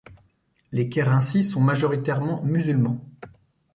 Les Kerinci sont majoritairement musulmans.